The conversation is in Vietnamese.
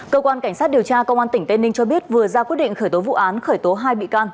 cơ quan cảnh sát điều tra công an tỉnh tây ninh cho biết vừa ra quyết định khởi tố vụ án khởi tố hai bị can